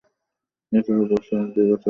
এছাড়াও বৈশ্বয়িক দুই বছরের সীমা তো মেটাতে আছেই।